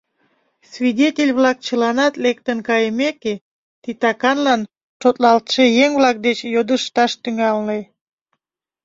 Свидетель-влак чыланат лектын кайымеке, титаканлан шотлалтше еҥ-влак деч йодышташ тӱҥале.